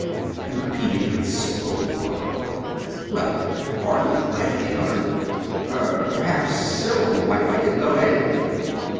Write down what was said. he repeated in slow horror. "Well, hardly," laughed the other. "Er, perhaps Cyril might like it, though; eh?"